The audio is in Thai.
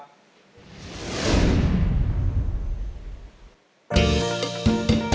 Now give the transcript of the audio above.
เพลงนี้สี่หมื่นบาทเอามาดูกันนะครับ